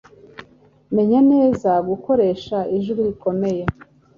menya neza gukoreha ijwi rikomeye